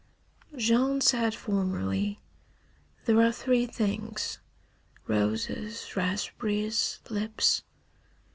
Jean said formerly: "There are three things: roses, raspberries, lips."